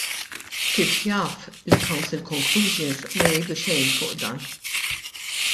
Kif jaf, il-Council conclusions ma jgħidu xejn fuq dan.